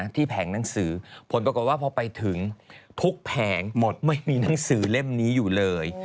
ทุกแผงหมดไม่มีหนังสือเล่มนี้อยู่เลย